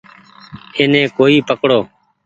ايني ڪوئي پڪڙو ۔